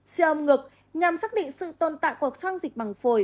xe ôm ngực nhằm xác định sự tồn tại của khoang dịch măng phổi